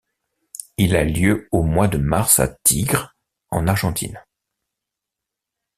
Il a lieu au mois de mars à Tigre, en Argentine.